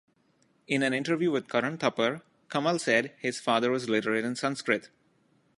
In an interview with Karan Thapar, Kamal said his father was literate in Sanskrit.